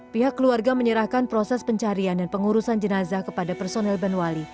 pihak keluarga menyerahkan proses pencarian dan pengurusan jenazah kepada personel banwali